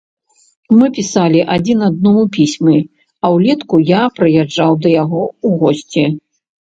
Мы пісалі адзін аднаму пісьмы, а ўлетку я прыязджаў да яго ў госці.